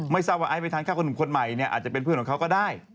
ว่าไอซ์ไปทาง๙๐คนใหม่อาจจะเป็นเพื่อนของเขาก็ได้